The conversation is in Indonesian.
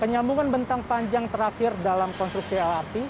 penyambungan bentang panjang terakhir dalam konstruksi lrt